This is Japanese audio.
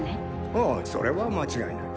ああそれは間違いない。